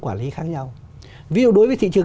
quản lý khác nhau ví dụ đối với thị trường